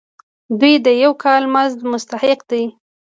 دوی د یو کال مزد مستحق دي.